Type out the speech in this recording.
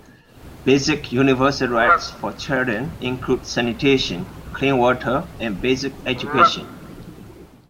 Basic universal rights for children include sanitation, clean water, and basic education.